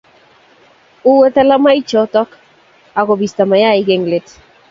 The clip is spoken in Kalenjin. uei talamoichoto ak kobisto mayaik eng let